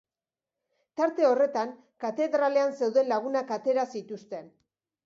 Tarte horretan, katedralean zeuden lagunak atera zituzten.